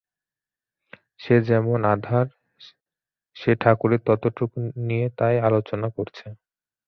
যে যেমন আধার, সে ঠাকুরের ততটুকু নিয়ে তাই আলোচনা করছে।